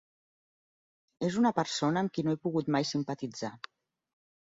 És una persona amb qui no he pogut mai simpatitzar.